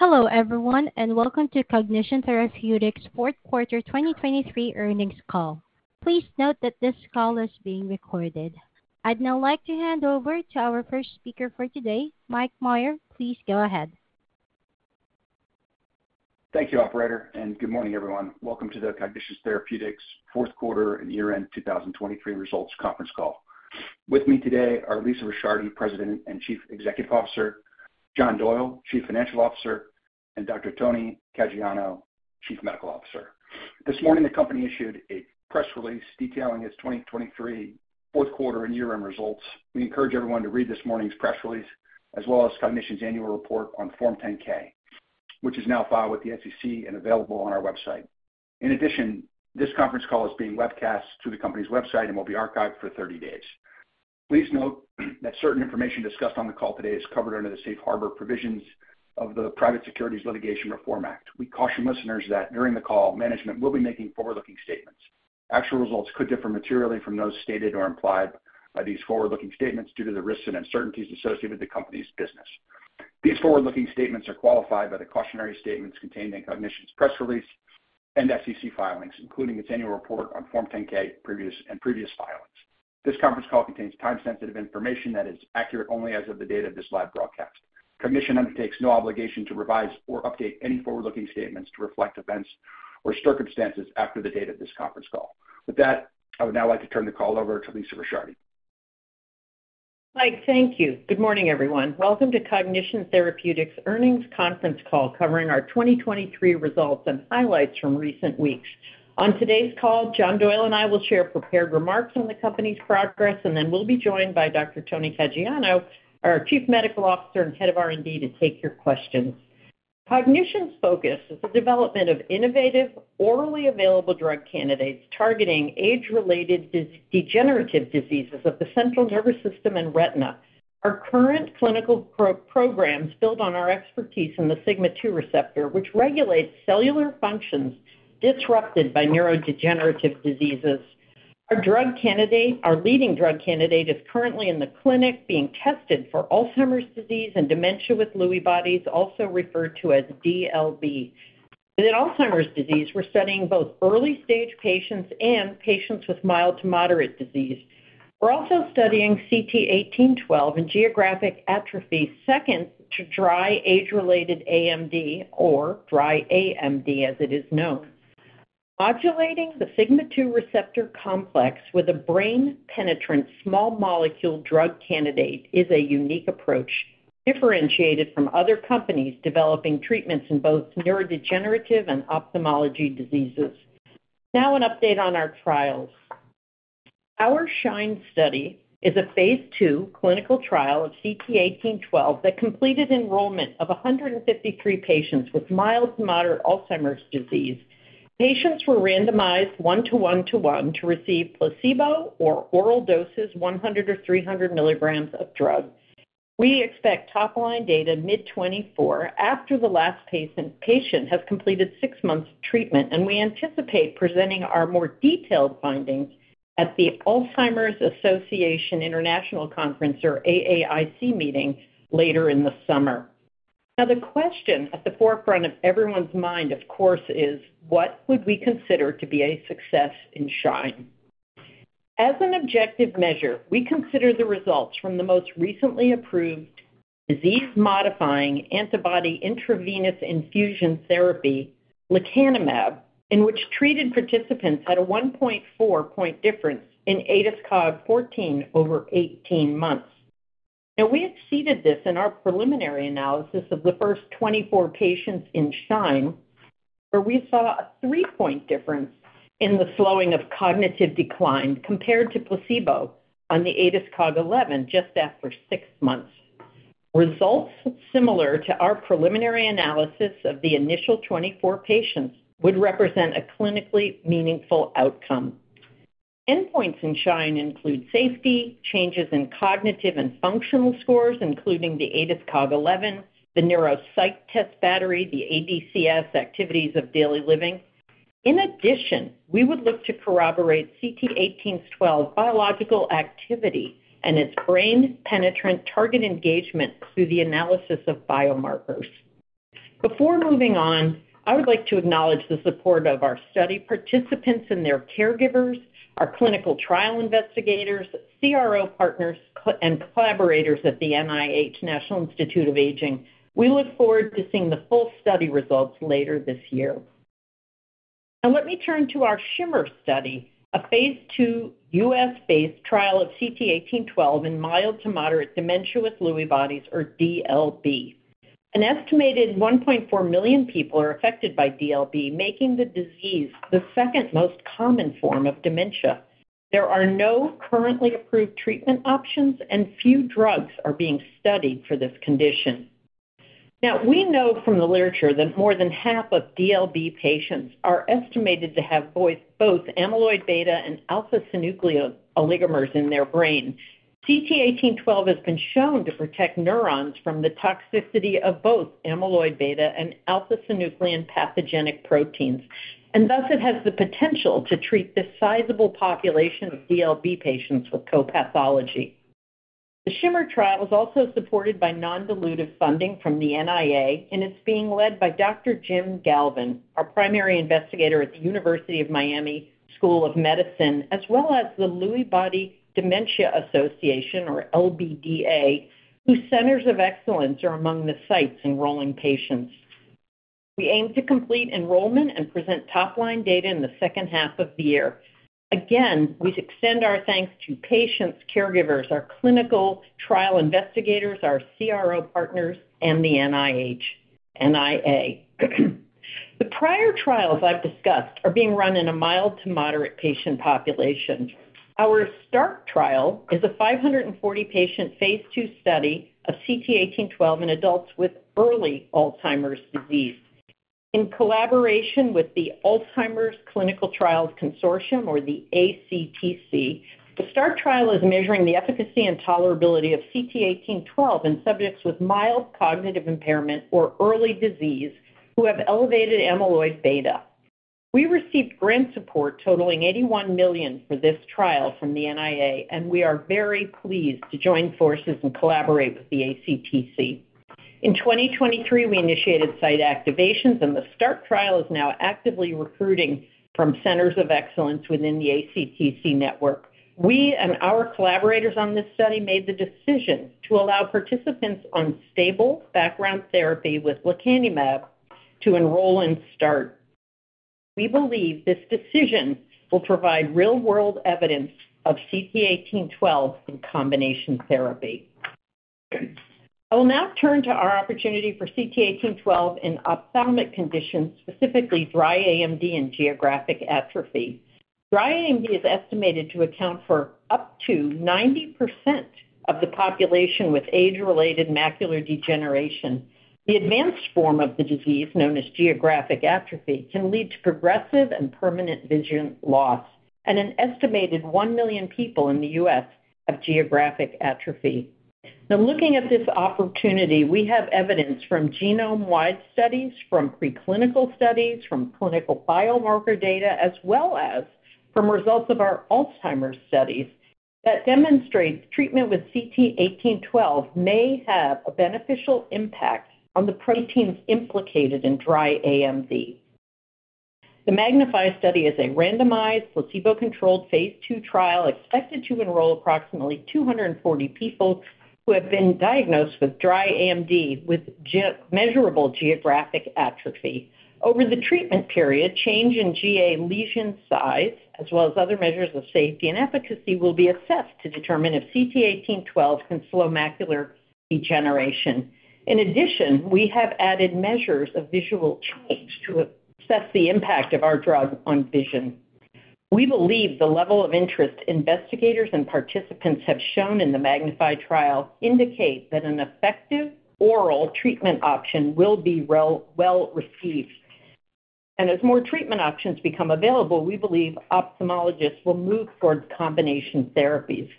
Hello everyone and welcome to Cognition Therapeutics fourth quarter 2023 earnings call. Please note that this call is being recorded. I'd now like to hand over to our first speaker for today, Mike Meyer. Please go ahead. Thank you, operator, and good morning everyone. Welcome to the Cognition Therapeutics fourth quarter and year-end 2023 results conference call. With me today are Lisa Ricciardi, President and Chief Executive Officer, John Doyle, Chief Financial Officer, and Dr. Tony Caggiano, Chief Medical Officer. This morning the company issued a press release detailing its 2023 fourth quarter and year-end results. We encourage everyone to read this morning's press release as well as Cognition's annual report on Form 10-K, which is now filed with the SEC and available on our website. In addition, this conference call is being webcast to the company's website and will be archived for 30 days. Please note that certain information discussed on the call today is covered under the Safe Harbor provisions of the Private Securities Litigation Reform Act. We caution listeners that during the call management will be making forward-looking statements. Actual results could differ materially from those stated or implied by these forward-looking statements due to the risks and uncertainties associated with the company's business. These forward-looking statements are qualified by the cautionary statements contained in Cognition's press release and SEC filings, including its annual report on Form 10-K and previous filings. This conference call contains time-sensitive information that is accurate only as of the date of this live broadcast. Cognition undertakes no obligation to revise or update any forward-looking statements to reflect events or circumstances after the date of this conference call. With that, I would now like to turn the call over to Lisa Ricciardi. Mike, thank you. Good morning everyone. Welcome to Cognition Therapeutics' earnings conference call covering our 2023 results and highlights from recent weeks. On today's call, John Doyle and I will share prepared remarks on the company's progress, and then we'll be joined by Dr. Tony Caggiano, our Chief Medical Officer and Head of R&D, to take your questions. Cognition's focus is the development of innovative, orally available drug candidates targeting age-related degenerative diseases of the central nervous system and retina. Our current clinical programs build on our expertise in the Sigma-2 receptor, which regulates cellular functions disrupted by neurodegenerative diseases. Our leading drug candidate is currently in the clinic, being tested for Alzheimer's Disease and Dementia with Lewy Bodies, also referred to as DLB. Within Alzheimer's Disease, we're studying both early-stage patients and patients with mild to moderate disease. We're also studying CT1812 in Geographic Atrophy due to dry age-related AMD, or dry AMD as it is known. Modulating the Sigma-2 receptor complex with a brain-penetrant small molecule drug candidate is a unique approach, differentiated from other companies developing treatments in both neurodegenerative and ophthalmology diseases. Now an update on our trials. Our SHINE study is a phase 2 clinical trial of CT1812 that completed enrollment of 153 patients with mild to moderate Alzheimer's disease. Patients were randomized 1 to 1 to 1 to receive placebo or oral doses 100 or 300 milligrams of drug. We expect top-line data mid-2024 after the last patient has completed six months of treatment, and we anticipate presenting our more detailed findings at the Alzheimer's Association International Conference, or AAIC, meeting later in the summer. Now the question at the forefront of everyone's mind, of course, is, what would we consider to be a success in SHINE? As an objective measure, we consider the results from the most recently approved disease-modifying antibody intravenous infusion therapy, lecanemab, in which treated participants had a 1.4-point difference in ADAS-Cog-14 over 18 months. Now we exceeded this in our preliminary analysis of the first 24 patients in SHINE, where we saw a 3-point difference in the slowing of cognitive decline compared to placebo on the ADAS-Cog-11 just after 6 months. Results similar to our preliminary analysis of the initial 24 patients would represent a clinically meaningful outcome. Endpoints in SHINE include safety, changes in cognitive and functional scores, including the ADAS-Cog-11, the neuropsych test battery, the ADCS Activities of Daily Living. In addition, we would look to corroborate CT1812 biological activity and its brain-penetrant target engagement through the analysis of biomarkers. Before moving on, I would like to acknowledge the support of our study participants and their caregivers, our clinical trial investigators, CRO partners, and collaborators at the NIH National Institute on Aging. We look forward to seeing the full study results later this year. Now let me turn to our SHIMMER study, a phase 2 U.S.-based trial of CT1812 in mild to moderate Dementia with Lewy Bodies, or DLB. An estimated 1.4 million people are affected by DLB, making the disease the second most common form of dementia. There are no currently approved treatment options, and few drugs are being studied for this condition. Now we know from the literature that more than half of DLB patients are estimated to have both amyloid beta and alpha-synuclein oligomers in their brain. CT1812 has been shown to protect neurons from the toxicity of both amyloid beta and alpha-synuclein pathogenic proteins, and thus it has the potential to treat the sizable population of DLB patients with co-pathology. The SHIMMER trial is also supported by non-dilutive funding from the NIA, and it's being led by Dr. Jim Galvin, our primary investigator at the University of Miami School of Medicine, as well as the Lewy Body Dementia Association, or LBDA, whose centers of excellence are among the sites enrolling patients. We aim to complete enrollment and present top-line data in the second half of the year. Again, we extend our thanks to patients, caregivers, our clinical trial investigators, our CRO partners, and the NIA. The prior trials I've discussed are being run in a mild-to-moderate patient population. Our START trial is a 540-patient phase 2 study of CT1812 in adults with early Alzheimer's disease. In collaboration with the Alzheimer's Clinical Trials Consortium, or the ACTC, the START trial is measuring the efficacy and tolerability of CT1812 in subjects with mild cognitive impairment or early disease who have elevated amyloid beta. We received grant support totaling $81 million for this trial from the NIA, and we are very pleased to join forces and collaborate with the ACTC. In 2023, we initiated site activations, and the START trial is now actively recruiting from centers of excellence within the ACTC network. We and our collaborators on this study made the decision to allow participants on stable background therapy with lecanemab to enroll in START. We believe this decision will provide real-world evidence of CT1812 in combination therapy. I will now turn to our opportunity for CT1812 in ophthalmic conditions, specifically Dry AMD and Geographic Atrophy. Dry AMD is estimated to account for up to 90% of the population with age-related macular degeneration. The advanced form of the disease, known as Geographic Atrophy, can lead to progressive and permanent vision loss, and an estimated 1 million people in the U.S. have Geographic Atrophy. Now looking at this opportunity, we have evidence from genome-wide studies, from preclinical studies, from clinical biomarker data, as well as from results of our Alzheimer's studies that demonstrate treatment with CT1812 may have a beneficial impact on the proteins implicated in Dry AMD. The MAGNIFY study is a randomized, placebo-controlled phase 2 trial expected to enroll approximately 240 people who have been diagnosed with Dry AMD with measurable Geographic Atrophy. Over the treatment period, change in GA lesion size, as well as other measures of safety and efficacy, will be assessed to determine if CT1812 can slow macular degeneration. In addition, we have added measures of visual change to assess the impact of our drug on vision. We believe the level of interest investigators and participants have shown in the MAGNIFY trial indicates that an effective oral treatment option will be well received. As more treatment options become available, we believe ophthalmologists will move towards combination therapies.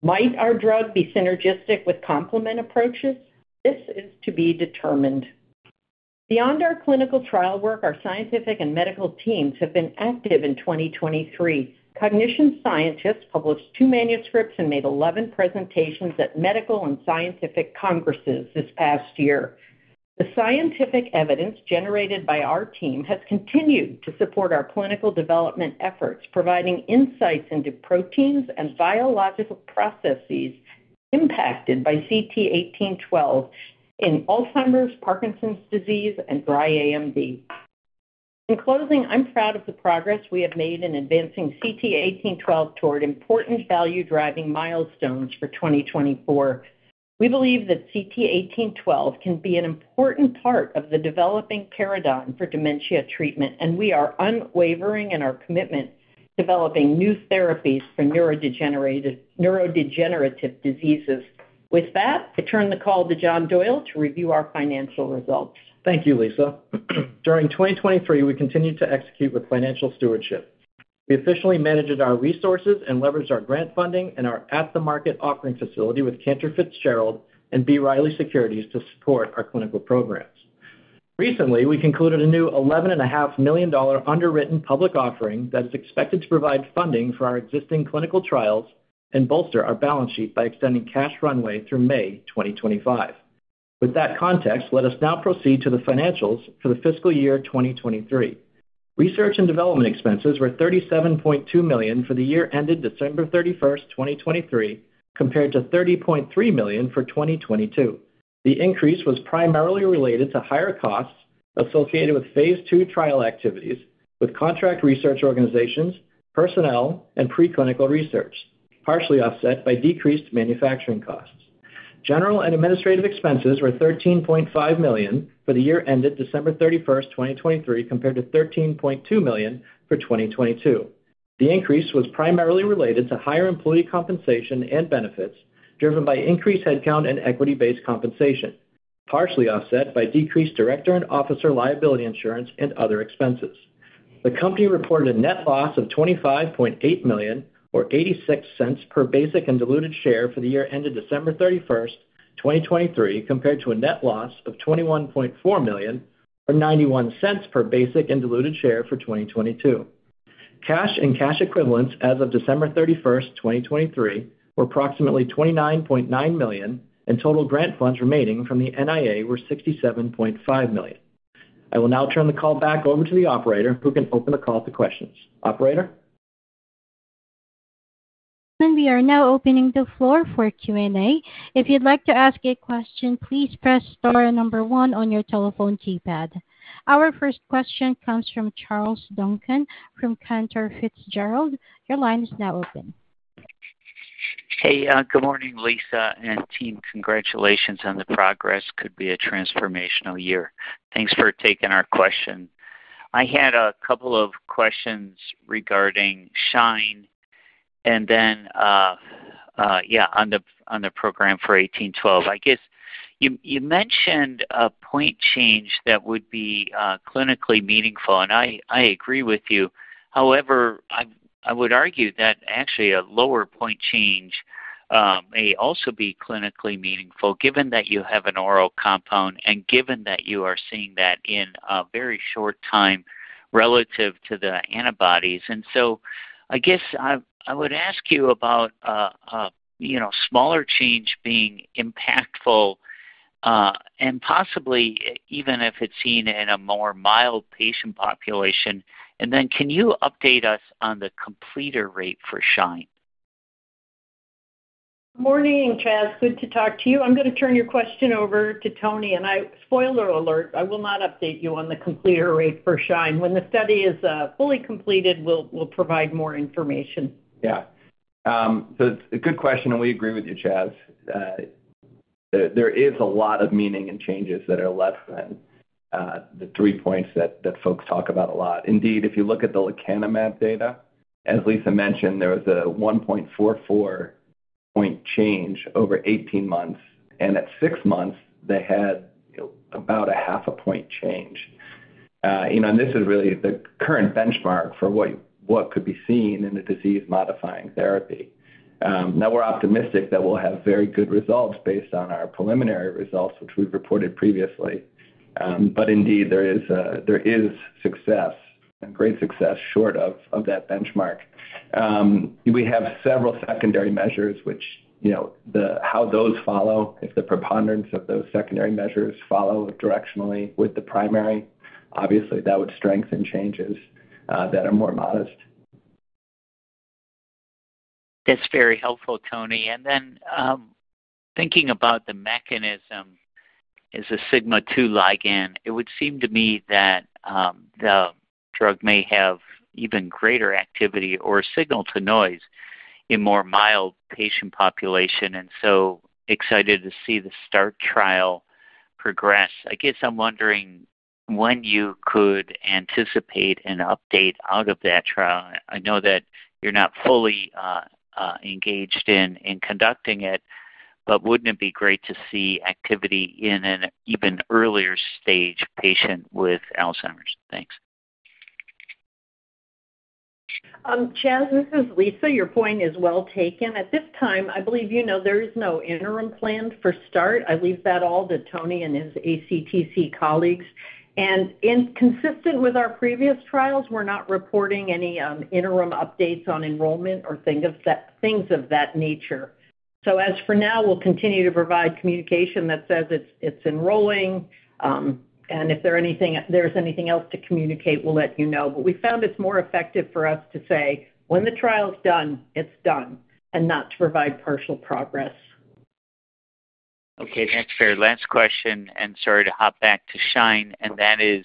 Might our drug be synergistic with complement approaches? This is to be determined. Beyond our clinical trial work, our scientific and medical teams have been active in 2023. Cognition scientists published 2 manuscripts and made 11 presentations at medical and scientific congresses this past year. The scientific evidence generated by our team has continued to support our clinical development efforts, providing insights into proteins and biological processes impacted by CT1812 in Alzheimer's, Parkinson's disease, and dry AMD. In closing, I'm proud of the progress we have made in advancing CT1812 toward important value-driving milestones for 2024. We believe that CT1812 can be an important part of the developing paradigm for dementia treatment, and we are unwavering in our commitment to developing new therapies for neurodegenerative diseases. With that, I turn the call to John Doyle to review our financial results. Thank you, Lisa. During 2023, we continued to execute with financial stewardship. We officially managed our resources and leveraged our grant funding and our at-the-market offering facility with Cantor Fitzgerald and B. Riley Securities to support our clinical programs. Recently, we concluded a new $11.5 million underwritten public offering that is expected to provide funding for our existing clinical trials and bolster our balance sheet by extending cash runway through May 2025. With that context, let us now proceed to the financials for the fiscal year 2023. Research and development expenses were $37.2 million for the year ended December 31st, 2023, compared to $30.3 million for 2022. The increase was primarily related to higher costs associated with phase 2 trial activities with contract research organizations, personnel, and preclinical research, partially offset by decreased manufacturing costs. General and administrative expenses were $13.5 million for the year ended December 31st, 2023, compared to $13.2 million for 2022. The increase was primarily related to higher employee compensation and benefits driven by increased headcount and equity-based compensation, partially offset by decreased director and officer liability insurance and other expenses. The company reported a net loss of $25.8 million, or $0.86, per basic and diluted share for the year ended December 31st, 2023, compared to a net loss of $21.4 million, or $0.91, per basic and diluted share for 2022. Cash and cash equivalents as of December 31st, 2023, were approximately $29.9 million, and total grant funds remaining from the NIA were $67.5 million. I will now turn the call back over to the operator, who can open the call to questions. Operator? We are now opening the floor for Q&A. If you'd like to ask a question, please press star number one on your telephone keypad. Our first question comes from Charles Duncan from Cantor Fitzgerald. Your line is now open. Hey, good morning, Lisa, and team. Congratulations on the progress. Could be a transformational year. Thanks for taking our question. I had a couple of questions regarding SHINE and then, yeah, on the program for 1812. I guess you mentioned a point change that would be clinically meaningful, and I agree with you. However, I would argue that actually a lower point change may also be clinically meaningful, given that you have an oral compound and given that you are seeing that in a very short time relative to the antibodies. And so I guess I would ask you about a smaller change being impactful and possibly even if it's seen in a more mild patient population. And then can you update us on the completer rate for SHINE? Good morning, Chaz. Good to talk to you. I'm going to turn your question over to Tony, and I, spoiler alert, I will not update you on the completer rate for SHINE. When the study is fully completed, we'll provide more information. Yeah. So it's a good question, and we agree with you, Chaz. There is a lot of meaning in changes that are less than the 3 points that folks talk about a lot. Indeed, if you look at the lecanemab data, as Lisa mentioned, there was a 1.44-point change over 18 months, and at 6 months, they had about a 0.5-point change. And this is really the current benchmark for what could be seen in a disease-modifying therapy. Now, we're optimistic that we'll have very good results based on our preliminary results, which we've reported previously. But indeed, there is success and great success short of that benchmark. We have several secondary measures, which how those follow, if the preponderance of those secondary measures follow directionally with the primary, obviously that would strengthen changes that are more modest. That's very helpful, Tony. Then thinking about the mechanism as a sigma-2 ligand, it would seem to me that the drug may have even greater activity or signal-to-noise in a more mild patient population, and so excited to see the START trial progress. I guess I'm wondering when you could anticipate an update out of that trial. I know that you're not fully engaged in conducting it, but wouldn't it be great to see activity in an even earlier stage patient with Alzheimer's? Thanks. Chaz, this is Lisa. Your point is well taken. At this time, I believe you know there is no interim plan for START. I leave that all to Tony and his ACTC colleagues. Consistent with our previous trials, we're not reporting any interim updates on enrollment or things of that nature. As for now, we'll continue to provide communication that says it's enrolling, and if there's anything else to communicate, we'll let you know. We found it's more effective for us to say, "When the trial's done, it's done," and not to provide partial progress. Okay, that's fair. Last question, and sorry to hop back to SHINE, and that is,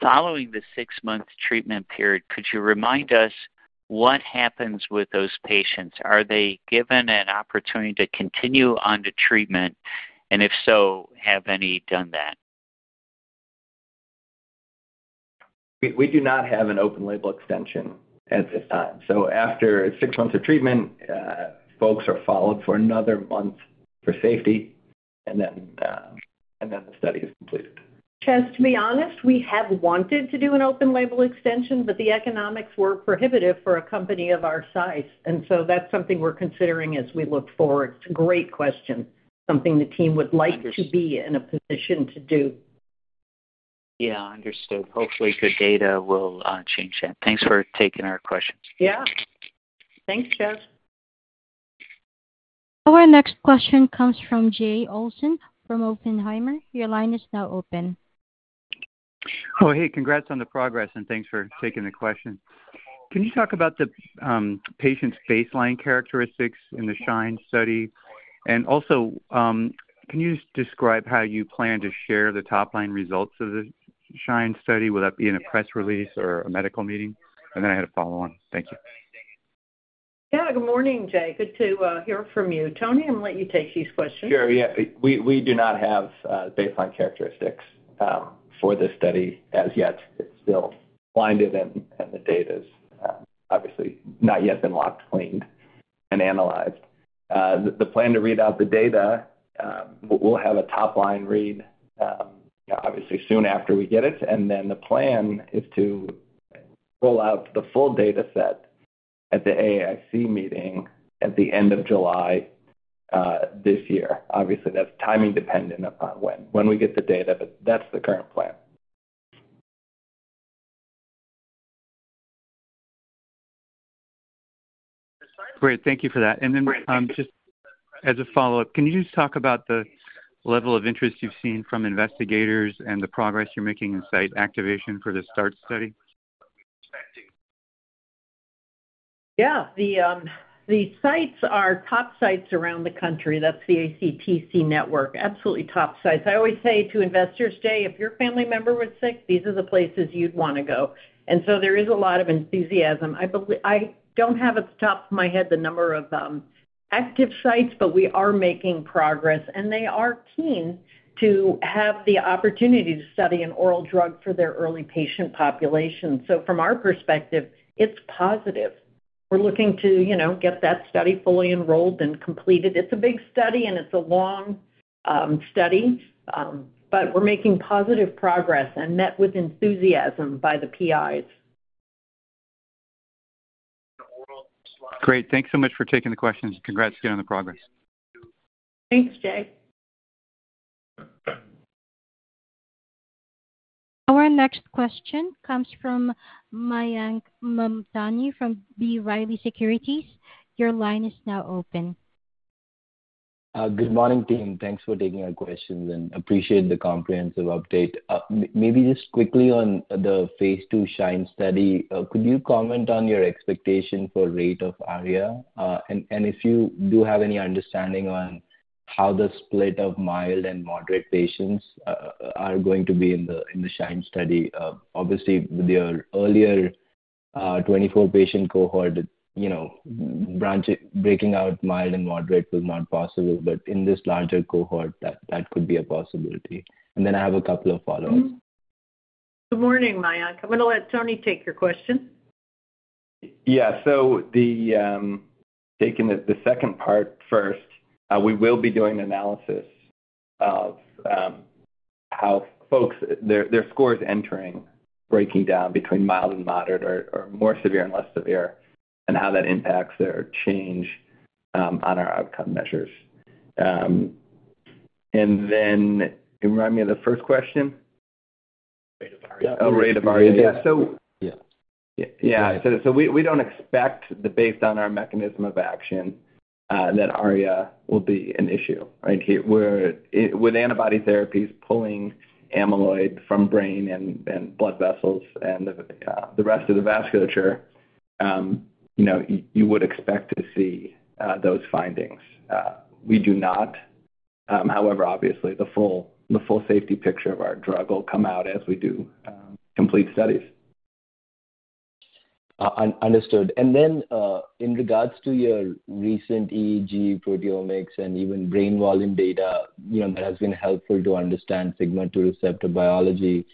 following the 6-month treatment period, could you remind us what happens with those patients? Are they given an opportunity to continue on to treatment, and if so, have any done that? We do not have an open label extension at this time. After six months of treatment, folks are followed for another month for safety, and then the study is completed. Chaz, to be honest, we have wanted to do an open label extension, but the economics were prohibitive for a company of our size. And so that's something we're considering as we look forward. It's a great question, something the team would like to be in a position to do. Yeah, understood. Hopefully, good data will change that. Thanks for taking our questions. Yeah. Thanks, Chaz. Our next question comes from Jay Olson from Oppenheimer. Your line is now open. Oh, hey. Congrats on the progress, and thanks for taking the question. Can you talk about the patient's baseline characteristics in the SHINE study? And also, can you describe how you plan to share the top-line results of the SHINE study? Will that be in a press release or a medical meeting? And then I had a follow-on. Thank you. Yeah, good morning, Jay. Good to hear from you. Tony, I'm going to let you take these questions. Sure. Yeah. We do not have baseline characteristics for this study as yet. It's still blinded, and the data has obviously not yet been locked, cleaned and analyzed. The plan to read out the data: we'll have a top-line read, obviously, soon after we get it. Then the plan is to roll out the full dataset at the AAIC meeting at the end of July this year. Obviously, that's timing-dependent upon when we get the data, but that's the current plan. Great. Thank you for that. Then just as a follow-up, can you just talk about the level of interest you've seen from investigators and the progress you're making in site activation for the START study? Yeah. The sites are top sites around the country. That's the ACTC network. Absolutely top sites. I always say to investors, "Jay, if your family member was sick, these are the places you'd want to go." There is a lot of enthusiasm. I don't have at the top of my head the number of active sites, but we are making progress, and they are keen to have the opportunity to study an oral drug for their early patient population. From our perspective, it's positive. We're looking to get that study fully enrolled and completed. It's a big study, and it's a long study, but we're making positive progress and met with enthusiasm by the PIs. Great. Thanks so much for taking the questions, and congrats again on the progress. Thanks, Jay. Our next question comes from Mayank Mamdani from B. Riley Securities. Your line is now open. Good morning, team. Thanks for taking our questions, and appreciate the comprehensive update. Maybe just quickly on the phase 2 SHINE study, could you comment on your expectation for rate of ARIA? And if you do have any understanding on how the split of mild and moderate patients are going to be in the SHINE study? Obviously, with your earlier 24-patient cohort, breaking out mild and moderate was not possible, but in this larger cohort, that could be a possibility. And then I have a couple of follow-ups. Good morning, Mayank. I'm going to let Tony take your question. Yeah. So, taking the second part first, we will be doing analysis of how folks' their scores entering, breaking down between mild and moderate or more severe and less severe, and how that impacts their change on our outcome measures. And then remind me of the first question. Rate of ARIA. Oh, rate of ARIA. Yeah. So we don't expect, based on our mechanism of action, that ARIA will be an issue, right? With antibody therapies pulling amyloid from brain and blood vessels and the rest of the vasculature, you would expect to see those findings. We do not. However, obviously, the full safety picture of our drug will come out as we do complete studies. Understood. And then in regards to your recent EEG proteomics and even brain volume data that has been helpful to understand Sigma-2 receptor biology,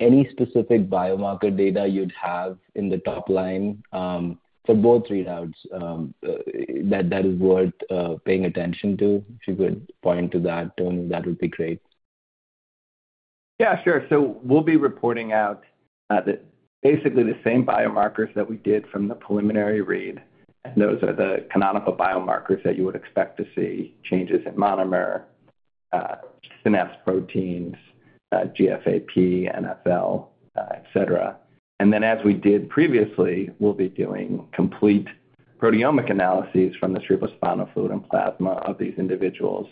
any specific biomarker data you'd have in the top line for both readouts that is worth paying attention to? If you could point to that, Tony, that would be great. Yeah, sure. We'll be reporting out basically the same biomarkers that we did from the preliminary read. Those are the canonical biomarkers that you would expect to see: changes in monomer, synapse proteins, GFAP, NfL, etc. Then as we did previously, we'll be doing complete proteomic analyses from the cerebrospinal fluid and plasma of these individuals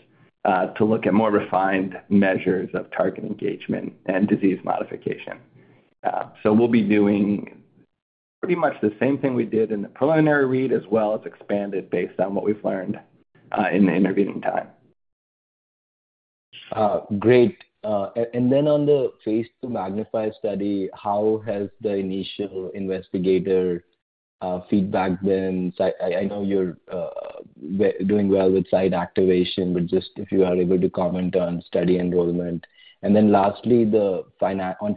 to look at more refined measures of target engagement and disease modification. We'll be doing pretty much the same thing we did in the preliminary read as well as expanded based on what we've learned in the intervening time. Great. And then on the phase 2 MAGNIFY study, how has the initial investigator feedback been? I know you're doing well with site activation, but just if you are able to comment on study enrollment. And then lastly, on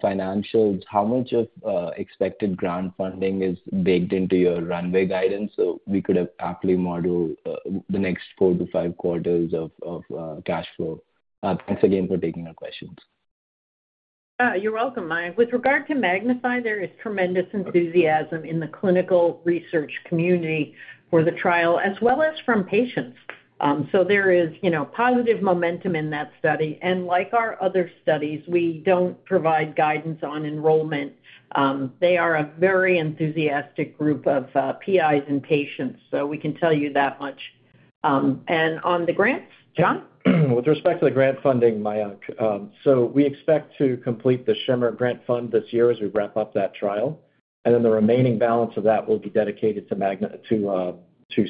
financials, how much of expected grant funding is baked into your runway guidance so we could aptly model the next 4 to 5 quarters of cash flow? Thanks again for taking our questions. Yeah, you're welcome, Mayank. With regard to MAGNIFY, there is tremendous enthusiasm in the clinical research community for the trial, as well as from patients. So there is positive momentum in that study. And like our other studies, we don't provide guidance on enrollment. They are a very enthusiastic group of PIs and patients, so we can tell you that much. And on the grants, John? With respect to the grant funding, Mayank, so we expect to complete the SHIMMER grant funding this year as we wrap up that trial, and then the remaining balance of that will be dedicated to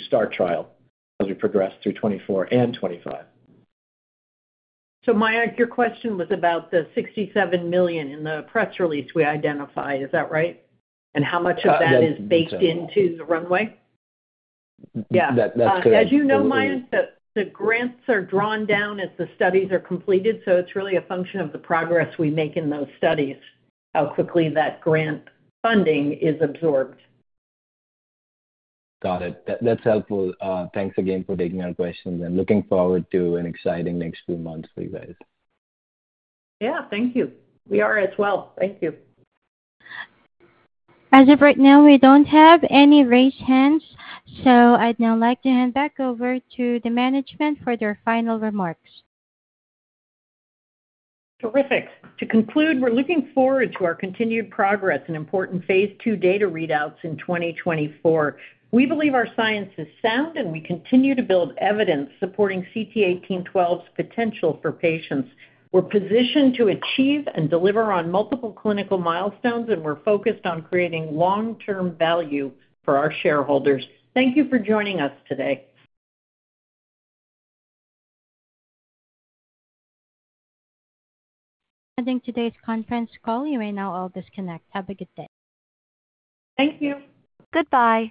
START trial as we progress through 2024 and 2025. So Mayank, your question was about the $67 million in the press release we identified. Is that right? And how much of that is baked into the runway? Yeah. As you know, Mayank, the grants are drawn down as the studies are completed, so it's really a function of the progress we make in those studies, how quickly that grant funding is absorbed. Got it. That's helpful. Thanks again for taking our questions, and looking forward to an exciting next few months for you guys. Yeah, thank you. We are as well. Thank you. As of right now, we don't have any raised hands, so I'd now like to hand back over to the management for their final remarks. Terrific. To conclude, we're looking forward to our continued progress and important phase two data readouts in 2024. We believe our science is sound, and we continue to build evidence supporting CT1812's potential for patients. We're positioned to achieve and deliver on multiple clinical milestones, and we're focused on creating long-term value for our shareholders. Thank you for joining us today. Ending today's conference call. You may now disconnect. Have a good day. Thank you. Goodbye.